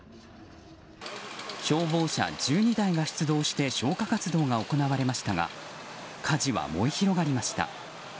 消防車１２台が出動して消火活動が行われましたが火事は燃え広がりました。